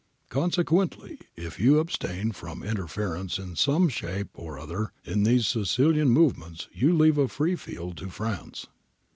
Consequently if you abstain from interference in some ohape or other in these Sicilian movements you leave a free field to France.'